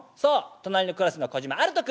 隣のクラスの小島アルト君」。